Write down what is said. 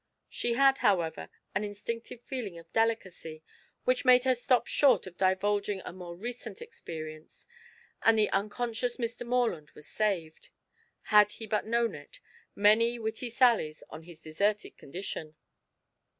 She had, however, an instinctive feeling of delicacy which made her stop short of divulging a more recent experience, and the unconscious Mr. Morland was saved, had he but known it, many witty sallies on his deserted condition.